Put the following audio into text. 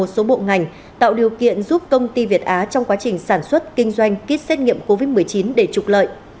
một số bộ ngành tạo điều kiện giúp công ty việt á trong quá trình sản xuất kinh doanh kýt xét nghiệm covid một mươi chín để trục lợi